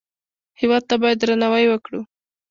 هېواد ته باید درناوی وکړو